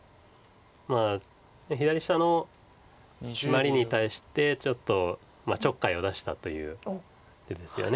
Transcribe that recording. まあ左下のシマリに対してちょっとちょっかいを出したという手ですよね。